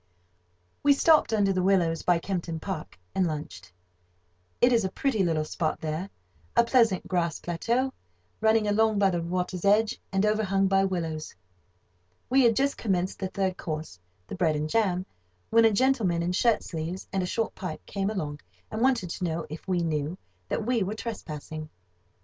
We stopped under the willows by Kempton Park, and lunched. It is a pretty little spot there: a pleasant grass plateau, running along by the water's edge, and overhung by willows. We had just commenced the third course—the bread and jam—when a gentleman in shirt sleeves and a short pipe came along, and wanted to know if we knew that we were trespassing.